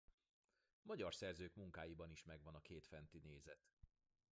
Magyar szerzők munkáiban is megvan a két fenti nézet.